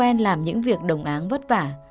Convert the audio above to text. anh hữu đã làm những việc đồng áng vất vả